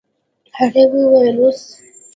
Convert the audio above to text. هغې وويل اوس.